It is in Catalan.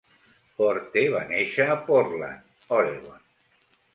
Forte va néixer a Portland (Oregon).